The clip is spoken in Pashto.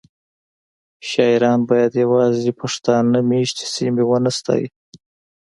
شاعران باید یوازې پښتانه میشتې سیمې ونه ستایي